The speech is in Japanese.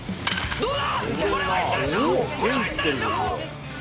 どうだ！